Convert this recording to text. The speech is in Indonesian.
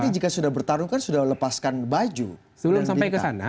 nanti jika sudah bertarung kan sudah lepaskan baju dan bintang